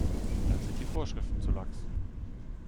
Dann sind die Vorschriften zu lax.